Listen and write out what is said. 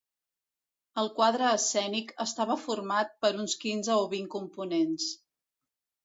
El quadre escènic estava format per uns quinze o vint components.